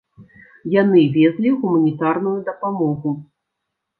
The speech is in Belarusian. Яны везлі гуманітарную дапамогу.